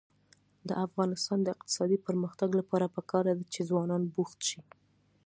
د افغانستان د اقتصادي پرمختګ لپاره پکار ده چې ځوانان بوخت شي.